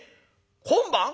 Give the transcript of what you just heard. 今晩？